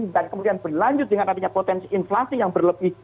dan kemudian berlanjut dengan adanya potensi inflasi yang berlebih